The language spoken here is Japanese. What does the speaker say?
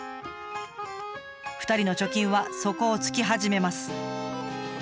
２人の貯金は底をつき始めます。